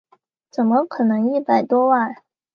怎么可能一百多万